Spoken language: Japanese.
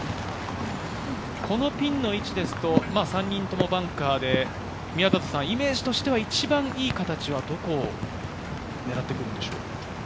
このピンの位置ですと、３人ともバンカーで宮里さん、イメージとしては一番いい形は、どこを狙ってくるんでしょう？